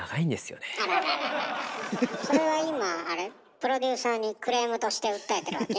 プロデューサーにクレームとして訴えてるわけ？